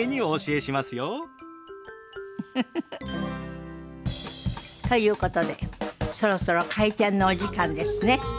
ウフフフ。ということでそろそろ開店のお時間ですね。